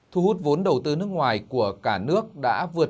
thu hút vốn đầu tư nước ngoài của cả nước đã vượt